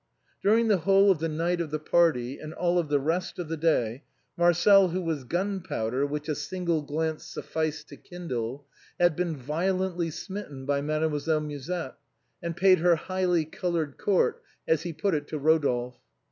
During the whole of the night of the party and all the rest of the day Marcel, who was gunpowder which a single glance sufficed to kindle, had been violently smitten by MADEMOISELLE MUSETTE. 79 Mademoiselle Musette and paid her " highly colored court," as he put it to Rodolphe.